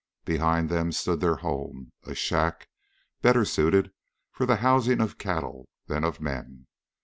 Behind them stood their home, a shack better suited for the housing of cattle than of men.